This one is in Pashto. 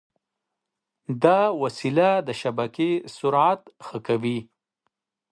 دا وسیله د شبکې سرعت ښه کوي.